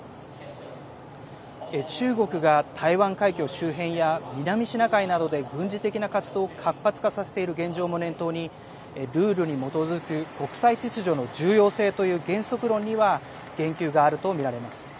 中国が台湾海峡周辺や南シナ海などで軍事的な活動を活発化させている現状も念頭にルールに基づく国際秩序の重要性という原則論には言及があると見られます。